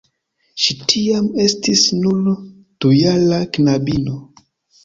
Ŝi tiam estis nur dujara knabino.